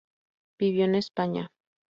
Vivió en España.